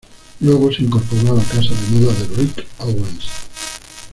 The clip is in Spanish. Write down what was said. Luego se incorporó a la casa de moda de Rick Owens.